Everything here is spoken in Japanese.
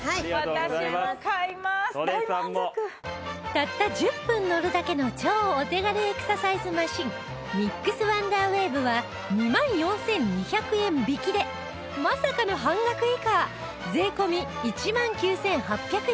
たった１０分乗るだけの超お手軽エクササイズマシンミックスワンダーウェーブは２万４２００円引きでまさかの半額以下税込１万９８００円